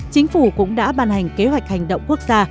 chính phủ cũng đã ban hành kế hoạch hành động quốc gia